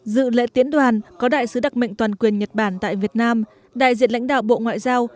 dự lễ tiễn đoàn có đại sứ đặc mệnh toàn quyền nhật bản tại việt nam đại diện lãnh đạo bộ ngoại giao